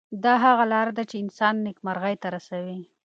دا هغه لار ده چې انسان نیکمرغۍ ته رسوي.